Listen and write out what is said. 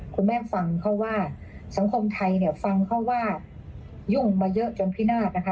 คุณแม่ฟังเขาว่าสังคมไทยเนี่ยฟังเขาว่ายุ่งมาเยอะจนพินาศนะคะ